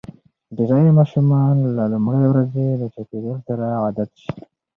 ډېری ماشومان له لومړۍ ورځې د چاپېریال سره عادت شي.